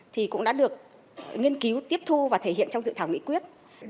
thì cũng đã được nghiên cứu tiếp thu và thể hiện trong dự thảo nghị quyết